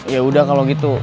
yaudah kalau gitu